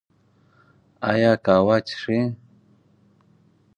ایا قهوه څښئ؟